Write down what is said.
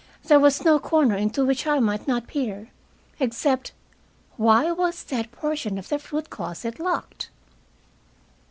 There was no corner into which I might not peer, except Why was that portion of the fruit closet locked?